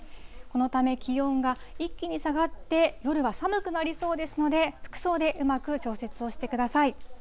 このため、気温が一気に下がって、夜は寒くなりそうですので、服装でうまく調節をしてください。